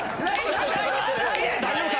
大丈夫か？